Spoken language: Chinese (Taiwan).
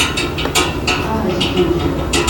她還是拒絕了